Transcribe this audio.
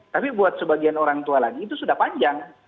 tapi buat sebagian orang tua lagi itu sudah panjang